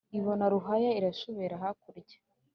ibona ruhaya irashubera hakulya.